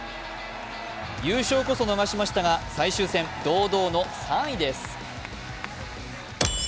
優勝こそ逃しましたが、最終戦、堂々の３位です。